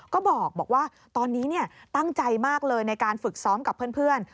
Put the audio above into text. ก็บอกว่าตอนนี้ตั้งใจมากเลยในการฝึกซ้อมกับเพื่อน